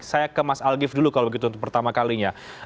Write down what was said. saya ke mas algif dulu kalau begitu untuk pertama kalinya